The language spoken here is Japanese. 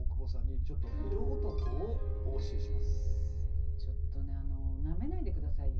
今日はちょっとねなめないでくださいよ。